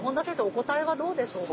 お答えはどうでしょうか。